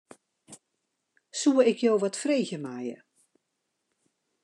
Soe ik jo wat freegje meie?